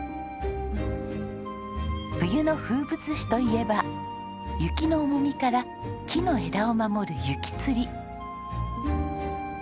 冬の風物詩といえば雪の重みから木の枝を守る雪吊り。